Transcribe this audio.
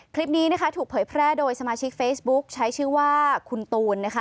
คลิปนี้นะคะถูกเผยแพร่โดยสมาชิกเฟซบุ๊คใช้ชื่อว่าคุณตูนนะคะ